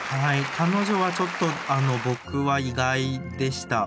彼女はちょっと僕は意外でした。